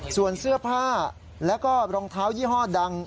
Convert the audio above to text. ส่วนเสื้อผ้าแล้วก็รองเท้ายี่ห้อดัง